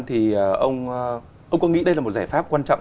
thì ông có nghĩ đây là một giải pháp quan trọng